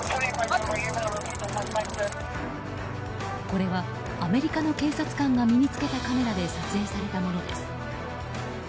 これは、アメリカの警察官が身に付けたカメラで撮影されたものです。